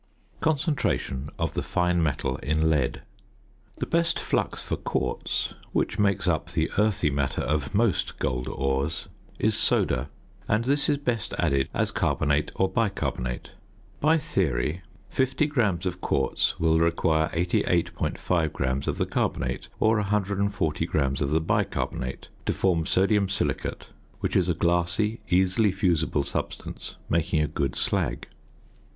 ~Concentration of the fine Metal in Lead.~ The best flux for quartz, which makes up the earthy matter of most gold ores, is soda, and this is best added as carbonate or bicarbonate. By theory, 50 grams of quartz will require 88.5 grams of the carbonate, or 140 grams of the bicarbonate, to form sodium silicate, which is a glassy, easily fusible substance, making a good slag.